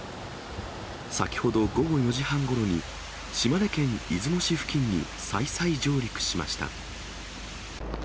先ほど午後４時半ごろに、島根県出雲市付近に再々上陸しました。